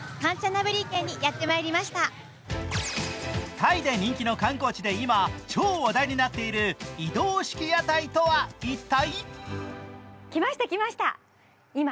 タイで人気の観光地で今、超話題になっている移動式屋台とは一体？